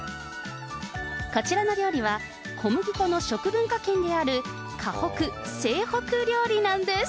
こちらの料理は、小麦粉の食文化圏である、華北、西北料理なんです。